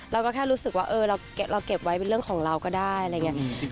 เราก็แค่รู้สึกว่าเราเก็บไว้เป็นเรื่องของเราก็ได้อะไรอย่างนี้